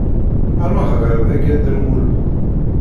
Rwaḥ ɣer dayi a Dda Lmulud!